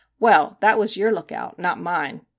Well ! that was your look out not mine!